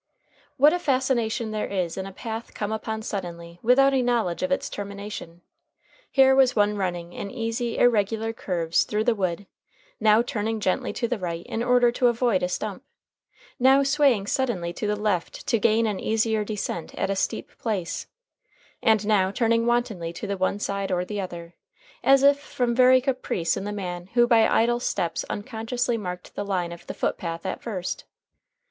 What a fascination there is in a path come upon suddenly without a knowledge of its termination! Here was one running in easy, irregular curves through the wood, now turning gently to the right in order to avoid a stump, now swaying suddenly to the left to gain an easier descent at a steep place, and now turning wantonly to the one side or the other, as if from very caprice in the man who by idle steps unconsciously marked the line of the foot path at first.